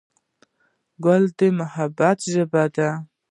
ګل د محبت ژبه ده.